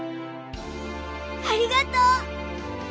ありがとう！